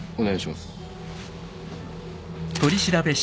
お願いします